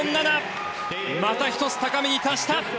また１つ高みに達した。